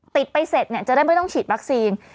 ติดไปเสร็จเนี่ยจะได้ไม่ต้องฉีดวัคซีน